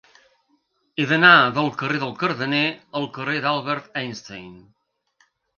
He d'anar del carrer del Cardener al carrer d'Albert Einstein.